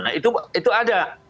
nah itu ada